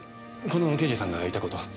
この刑事さんがいた事を。